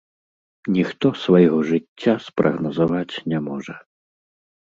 Ніхто свайго жыцця спрагназаваць не можа.